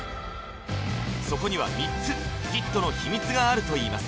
そこには３つヒットの秘密があるといいます